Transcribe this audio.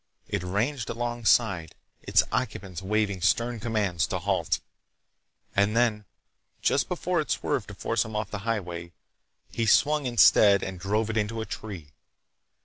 It ranged alongside, its occupants waving stern commands to halt. And then, just before it swerved to force him off the highway, he swung instead and drove it into a tree.